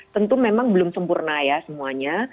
tentu memang belum sempurna ya semuanya